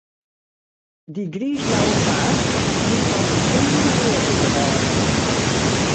Dy griisblauwe faas blykt fan bysûndere wearde te wêze.